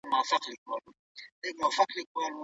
هره ورځ يو ښه کار وکړه